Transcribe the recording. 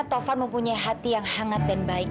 tovan mempunyai hati yang hangat dan baik